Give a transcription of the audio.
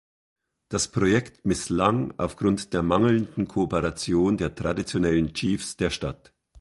Das Projekt misslang aufgrund der mangelnden Kooperation der traditionellen Chiefs der Stadt.